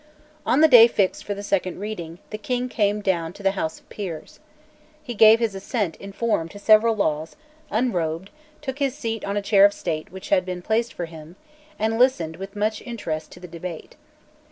On the day fixed for the second reading, the King came down to the House of Peers. He gave his assent in form to several laws, unrobed, took his seat on a chair of state which had been placed for him, and listened with much interest to the debate.